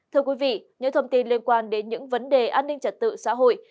thưa quý vị những thông tin liên quan đến những vấn đề an ninh trật tự xã hội